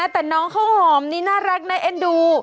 แต่น้องข้าวหอมนี่น่ารักน่าเอ็นดู